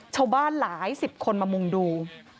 ชาวบ้านหลายสิบคนมามุ่งดู